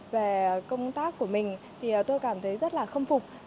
về công tác của mình thì tôi cảm thấy rất là khâm phục